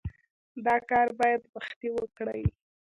دا کار باید وختي وکړې.